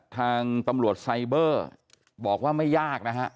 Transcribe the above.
ทางตำรวจไซเบอร์บอกว่าไม่ยากนะฮะ